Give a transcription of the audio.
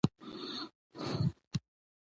انګور د افغان ځوانانو لپاره ډېره دلچسپي لري.